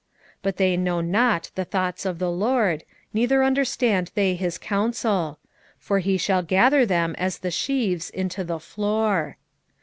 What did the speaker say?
4:12 But they know not the thoughts of the LORD, neither understand they his counsel: for he shall gather them as the sheaves into the floor.